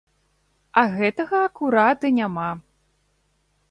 А гэтага акурат і няма.